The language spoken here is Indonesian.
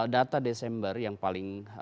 data desember yang paling